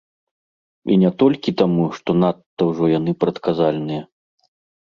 І не толькі таму, што надта ўжо яны прадказальныя.